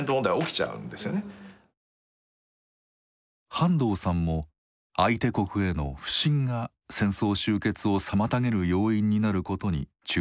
半藤さんも相手国への「不信」が戦争終結を妨げる要因になることに注目していました。